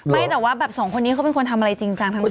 ไม่แต่ว่าแบบสองคนนี้เขาเป็นคนทำอะไรจริงจังทั้งหมด